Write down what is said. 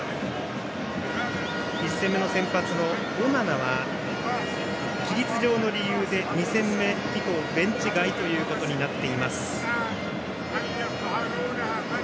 １戦目、先発のオナナは規律上の理由で２戦目以降ベンチ外となっています。